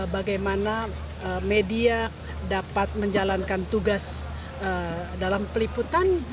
bagaimana media dapat menjalankan tugas dalam peliputan